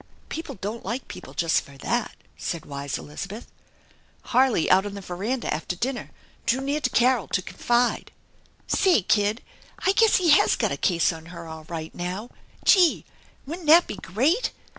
"People don't like people just for that," said wise Elizabeth. Harley, out on the veranda after dinner, drew near to Carol to confide. " Say, kid, I guess he has got a case on her dll right now. Gee ! Wouldn't that be great